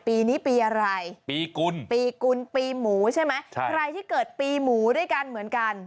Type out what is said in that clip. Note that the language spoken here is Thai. ปีนี้ปีอะไรปีกุลปีกุลปีหมูใช่ไหมใครที่เกิดปีหมูด้วยกันเหมือนกัน